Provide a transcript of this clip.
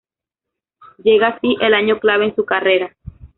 Llega así el año clave en su carrera.